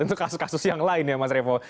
itu kasus kasus yang lain ya mas repo